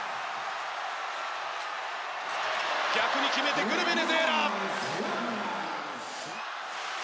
逆に決めてくるベネズエラ。